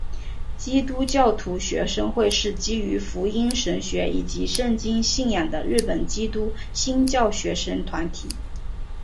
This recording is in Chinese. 基督教徒学生会是基于福音神学以及圣经信仰的日本基督新教学生团体。